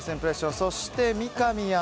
そして、三上アナ